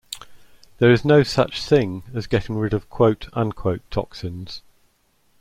There is no such thing as getting rid of quote-unquote 'toxins.